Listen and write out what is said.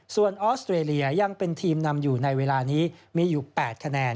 ส่วนออสเตรเลียยังเป็นทีมนำอยู่ในเวลานี้มีอยู่๘คะแนน